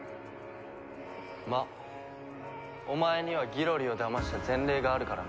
まあお前にはギロリをだました前例があるからな。